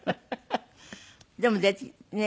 でもねえ